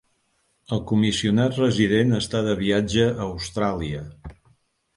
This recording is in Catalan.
El comissionat resident està de viatge a Austràlia.